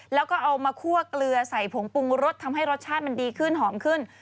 แล้วก็เอามาคั่วเกลือใส่ผงปรุงรสทำให้รสชาติมันดีขึ้นหอมขึ้น